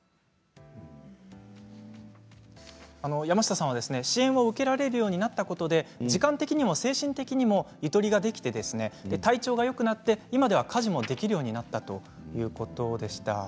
山下さんは支援を受けられるようになったことで時間的にも精神的にもゆとりができて体調がよくなって今は家事もできるようになったということでした。